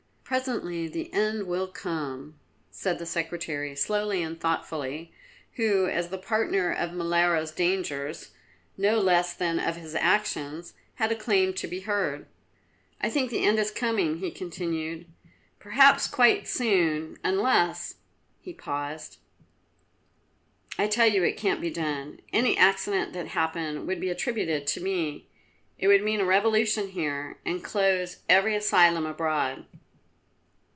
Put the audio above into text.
Presently the end will come," said the Secretary slowly and thoughtfully, who, as the partner of Molara's dangers, no less than of his actions, had a claim to be heard. "I think the end is coming," he continued; "perhaps quite soon unless ?" he paused. "I tell you it can't be done. Any accident that happened would be attributed to me. It would mean a revolution here, and close every asylum abroad."